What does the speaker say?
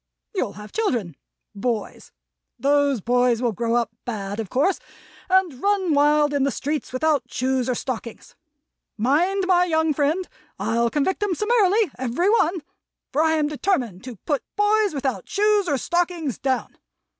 You'll have children boys. Those boys will grow up bad, of course, and run wild in the streets without shoes or stockings. Mind, my young friend! I'll convict 'em summarily every one, for I am determined to Put boys without shoes or stockings, Down.